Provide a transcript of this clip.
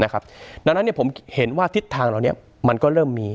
ดังนั้นผมเห็นว่าทิศทางเหล่านี้มันก็เริ่มมี